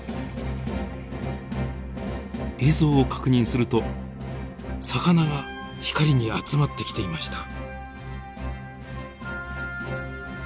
映像を確認すると魚が光に集まってきていました。